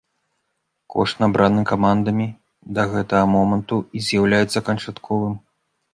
Кошт, набраны камандамі да гэтага моманту, і з'яўляецца канчатковым.